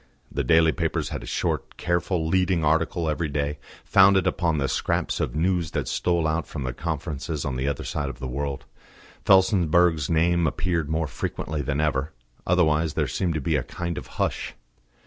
The daily papers had a short, careful leading article every day, founded upon the scraps of news that stole out from the conferences on the other side of the world; Felsenburgh's name appeared more frequently than ever: otherwise there seemed to be a kind of hush.